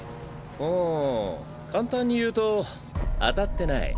うん簡単に言うと当たってない。